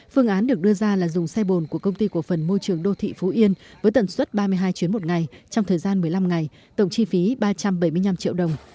phương án được đưa ra là dùng xe bồn của công ty cổ phần môi trường đô thị phú yên với tần suất ba mươi hai chuyến một ngày trong thời gian một mươi năm ngày tổng chi phí ba trăm bảy mươi năm triệu đồng